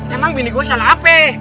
emang bini gue salah ape